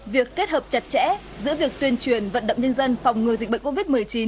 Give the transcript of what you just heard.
việc kết hợp chặt chẽ giữa việc tuyên truyền vận động nhân dân phòng ngừa dịch bệnh covid một mươi chín